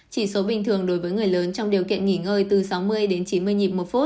chỉ số bình thường đối với người lớn trong điều kiện nghỉ ngơi từ sáu mươi đến chín mươi nhịp một phút